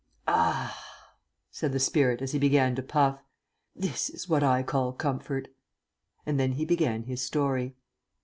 "Ah," said the spirit as he began to puff, "this is what I call comfort." And then he began his story.